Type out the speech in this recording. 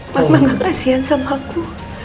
mama gak kasihan sama aku